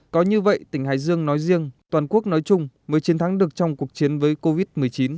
có như vậy tỉnh hải dương nói riêng toàn quốc nói chung mới chiến thắng được trong cuộc chiến với covid một mươi chín